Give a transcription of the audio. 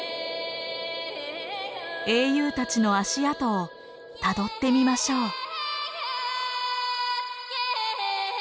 英雄たちの足跡をたどってみましょう。